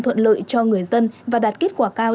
thuận lợi cho người dân và đạt kết quả cao